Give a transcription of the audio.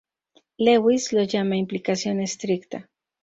Lewis lo llama implicación estricta.